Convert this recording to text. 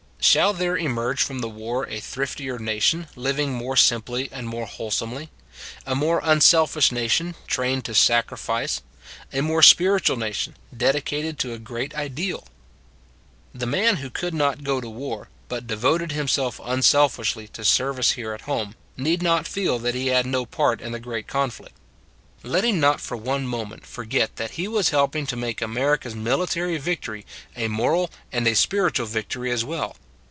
Shall there emerge from the war a thriftier nation, living more simply and more wholesomely; a more unselfish na tion, trained to sacrifice; a more spiritual nation, dedicated to a great ideal? The man who could not go to war, but who devoted himself unselfishly to service here at home, need not feel that he had no part in the great conflict. Let him not for one moment forget that he was helping to make America s military victory a moral and a spiritual victory as well.